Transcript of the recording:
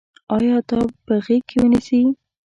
آیا تا به په غېږ کې ونیسي.